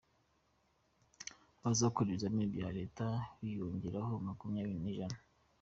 Abazakora ibizamini bya Leta biyongereyeho makumyabiri ku ijana